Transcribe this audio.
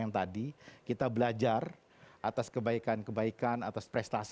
jangan lupa untuk berikan duit kepada tuhan